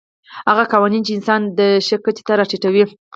هغه قوانین چې انسان د شي کچې ته راټیټوي.